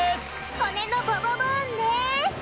骨のボボボーンです！